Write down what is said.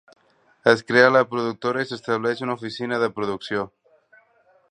Es crea la productora i s'estableix una oficina de producció.